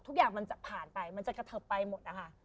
ทุกอย่างมันจะผ่านไปมันจะกระเทิบไปหมดนะคะ